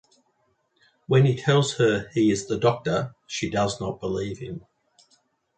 When he tells her he is the Doctor, she does not believe him.